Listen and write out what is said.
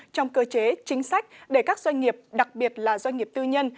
trong cơ chế chính sách để các doanh nghiệp đặc biệt là doanh nghiệp tư nhân